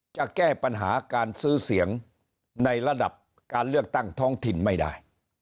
จะแก้ปัญหาการซื้อเสียงในระดับการเลือกตั้งท้องถิ่นไม่ได้